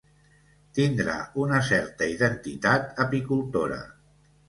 Tindrà una certa identitat apicultora.